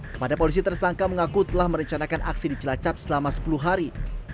kepada polisi tersangka mengaku telah merencanakan aksi di cilacap selama sepuluh hari